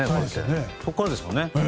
そこからですもんね。